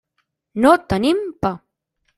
No tenim pa.